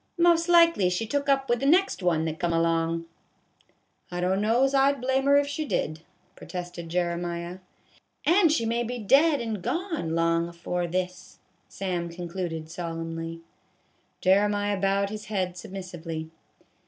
Most likely she took up with the next one that come along." 1 68 A BAG OF POP CORN. " I don't know 's I 'd blame her if she did," pro tested Jeremiah. "And she may be dead and gone long afore this," Sam concluded solemnly. Jeremiah bowed his head submissively.